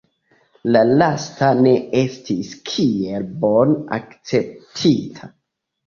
La lasta ne estis kiel bone akceptita.